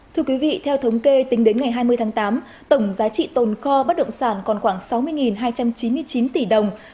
thưa quý vị theo thống kê tính đến ngày hai mươi tháng tám tổng giá trị tồn kho bất động sản còn khoảng sáu mươi hai trăm chín mươi chín tỷ đồng